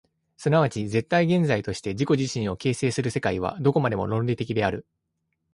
即ち絶対現在として自己自身を形成する世界は、どこまでも論理的である。